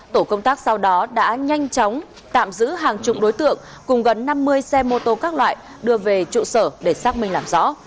tổ công tác sau đó đã nhanh chóng tạm giữ hàng chục đối tượng cùng gần năm mươi xe mô tô các loại đưa về trụ sở để xác minh làm rõ